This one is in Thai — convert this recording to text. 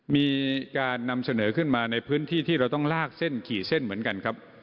มีการนำเสนอขึ้นมาในพื้นที่ที่เราต้องลากเส้นขี่เส้นเหมือนกันครับ